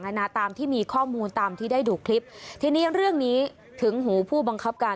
นานาตามที่มีข้อมูลตามที่ได้ดูคลิปทีนี้เรื่องนี้ถึงหูผู้บังคับการ